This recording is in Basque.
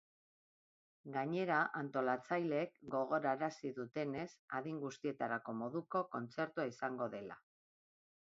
Gainera, antolatzaileek gogorarazi dutenez, adin guztietarako moduko kontzertua izango dela.